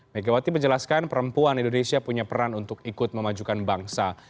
megawati menjelaskan perempuan indonesia punya peran untuk ikut memajukan bangsa